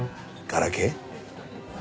ガラケー？